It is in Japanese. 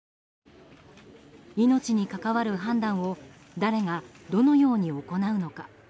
命に関わる判断を誰がどのように行うのか。